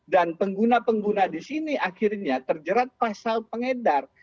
dan pengguna pengguna di sini akhirnya terjerat pasal pengedar